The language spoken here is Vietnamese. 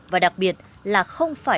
và đặc biệt là không phải